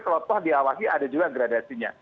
lepas diawasi ada juga gradasinya